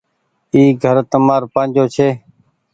اي گھر تمآر پآجو ڇي۔